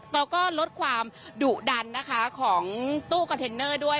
เราก็ลดความดุดันนะคะของตู้คอนเทนเนอร์ด้วย